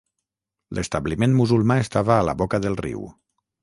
L'establiment musulmà estava a la boca del riu.